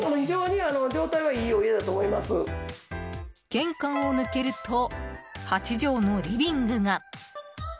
玄関を抜けると８畳のリビングが。